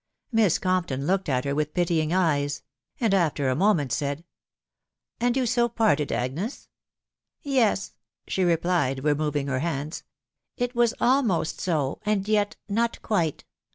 Miss Compton looked at her with pitying eyes ; an^d, after a moment, said, (C And so you parted, Agnes ?"" Yes !" she replied, removing her hands. et It was almost so, and yet jiot quite.